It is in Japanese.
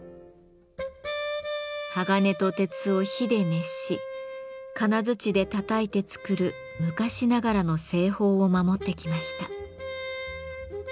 鋼と鉄を火で熱し金槌でたたいて作る昔ながらの製法を守ってきました。